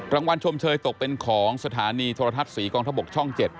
ชมเชยตกเป็นของสถานีโทรทัศน์ศรีกองทบกช่อง๗